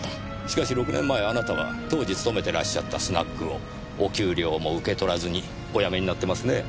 しかし６年前あなたは当時勤めてらっしゃったスナックをお給料も受け取らずにお辞めになってますね。